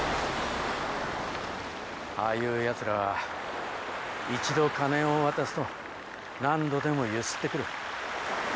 ああいう奴らは一度金を渡すと何度でもゆすってくる。